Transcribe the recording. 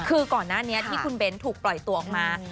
คือก่อนหน้านี้ที่คุณเบ้นถูกปล่อยตัวออกมา